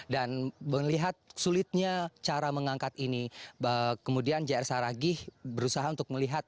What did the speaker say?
dan melihat sulitnya cara mengangkat ini kemudian jr saragih berusaha untuk melihat